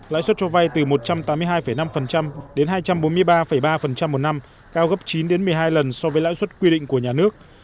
lãi suất cho vay từ một trăm tám mươi hai năm đến hai trăm bốn mươi ba ba một năm cao gấp chín một mươi hai lần so với lãi suất quy định của nhà nước